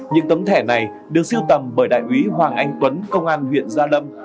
những tấm thẻ này được siêu tầm bởi đại úy hoàng anh tuấn công an huyện gia lâm